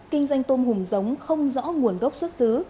kinh doanh tôm hùm giống không rõ nguồn gốc xuất xứ